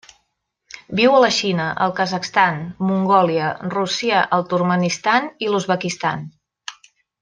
Viu a la Xina, el Kazakhstan, Mongòlia, Rússia, el Turkmenistan i l'Uzbekistan.